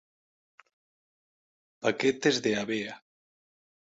Paquetes de avea.